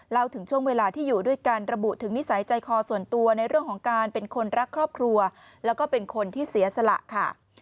ถึงช่วงเวลาที่อยู่ด้วยกันระบุถึงนิสัยใจคอส่วนตัวในเรื่องของการเป็นคนรักครอบครัวแล้วก็เป็นคนที่เสียสละค่ะ